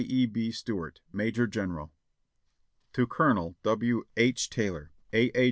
E. B. Stuart, "Major General. "To CoL. W. H. Taylor, ''A. A.